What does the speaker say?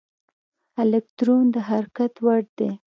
الکترون د حرکت وړ دی.